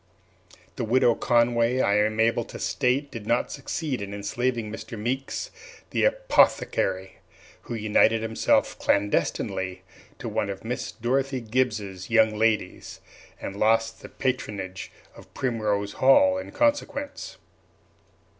The Widow Conway, I am able to state, did not succeed in enslaving Mr. Meeks, the apothecary, who united himself clandestinely to one of Miss Dorothy Gibbs's young ladies, and lost the patronage of Primrose Hall in consequence.